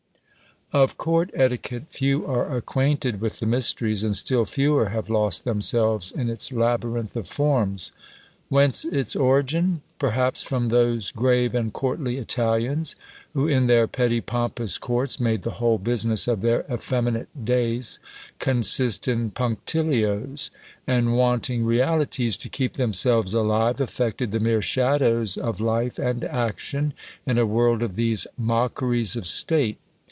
Of court etiquette few are acquainted with the mysteries, and still fewer have lost themselves in its labyrinth of forms. Whence its origin? Perhaps from those grave and courtly Italians, who, in their petty pompous courts, made the whole business of their effeminate days consist in punctilios; and, wanting realities to keep themselves alive, affected the mere shadows of life and action, in a world of these mockeries of state.